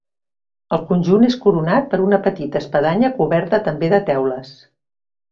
El conjunt és coronat per una petita espadanya coberta també de teules.